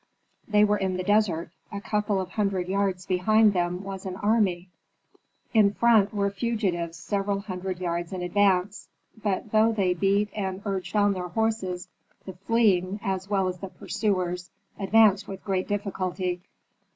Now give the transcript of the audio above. They were in the desert; a couple of hundred yards behind them was an army; in front were fugitives several hundred yards in advance. But though they beat and urged on their horses, the fleeing, as well as the pursuers, advanced with great difficulty.